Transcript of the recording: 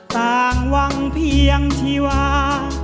ต่างหวังเพียงชีวา